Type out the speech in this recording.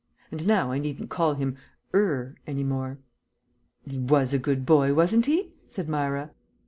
And now I needn't call him 'er' any more." "He was a good boy, wasn't he?" said Myra.